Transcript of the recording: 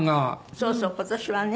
そうそう今年はね。